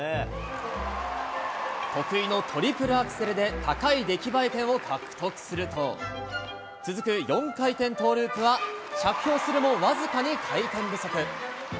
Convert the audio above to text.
得意のトリプルアクセルで高い出来栄え点を獲得すると、続く４回転トーループは、着氷するも僅かに回転不足。